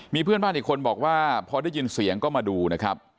มีเพื่อนบ้านอีกคนบอกว่าพอได้ยินเสียงก็มาดูนะครับ